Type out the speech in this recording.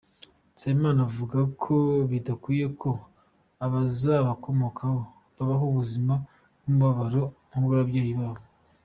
Nsabimana avuga ko bidakwiye ko abazabakomokaho babaho ubuzima bw’umubabaro nk’ubw’ababyeyi babo.